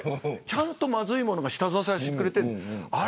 ちゃんとまずいものが下支えしてくれてる。